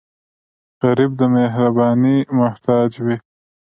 غریب د مهربانۍ محتاج وي